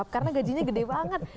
karena gajinya gede banget